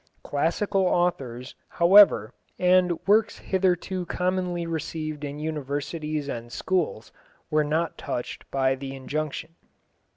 Classical authors, however, and works hitherto commonly received in universities and schools were not touched by the Injunction.